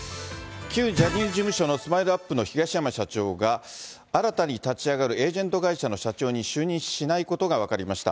旧ジャニーズ事務所のＳＭＩＬＥーＵＰ．の東山社長が、新たに立ち上がるエージェント会社の社長に就任しないことが分かりました。